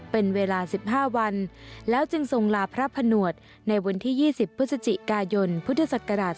เป็นเวลา๑๕วันแล้วจึงทรงราพระผนวชณวันที่๒๐พกพศ๒๕๒๑